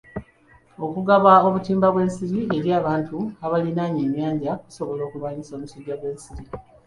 Okugaba obutimba bw'ensiri eri abantu abaliraanye ennyanja okusobola okulwanisa omusujja gw'ensiri.